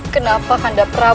kenapa kandah prabu